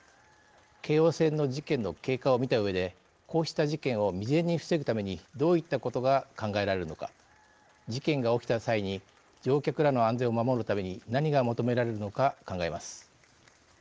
京王線の事件の経過を見たうえでこうした事件を未然に防ぐためにどういったことが考えられるのか事件が起きた際に乗客らの安全を守るために何が求められるのか、考えます。